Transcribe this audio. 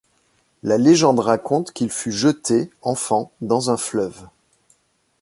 La légende raconte qu'il fut jeté, enfant, dans un fleuve.